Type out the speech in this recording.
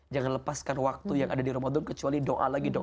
jangan lepaskan waktu yang ada di ramadan kecuali doa lagi doa lagi doa lagi